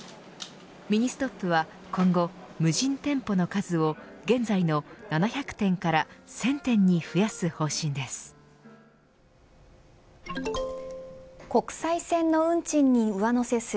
ミニストップは今後無人店舗の数を、現在の７００店から１０００店に増やす方針です。